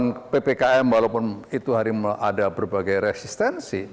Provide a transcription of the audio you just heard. nah saat ini begitu pemberlakuan ppkm walaupun itu hari ada berbagai resistensi